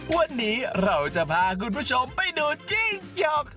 วันนี้เราจะพาคุณผู้ชมไปดูจิ้งหยอก